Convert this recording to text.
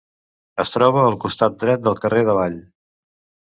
Es troba al costat dret del carrer d'Avall.